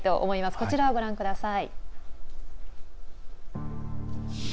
こちらをご覧ください。